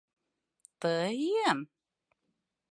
«Ты-йым».